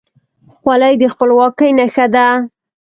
خولۍ د خپلواکۍ نښه ده.